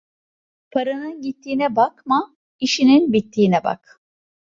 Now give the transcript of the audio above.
Paranın gittiğine bakma, işinin bittiğine bak.